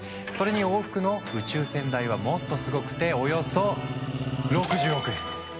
それに往復の宇宙船代はもっとすごくて、およそ６０億円。